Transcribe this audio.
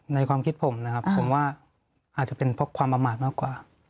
ในความคิดผมนะครับผมว่าอาจจะเป็นเพราะความประมาทมากกว่า